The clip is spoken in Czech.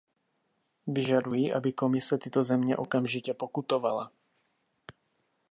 Vyžaduji, aby Komise tyto země okamžitě pokutovala.